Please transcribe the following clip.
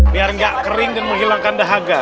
biar nggak kering dan menghilangkan dahaga